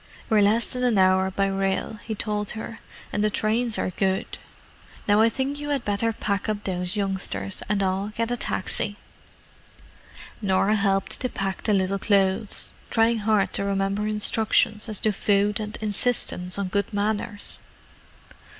"We're less than an hour by rail," he told her. "And the trains are good. Now I think you had better pack up those youngsters, and I'll get a taxi." Norah helped to pack the little clothes, trying hard to remember instructions as to food and insistence on good manners.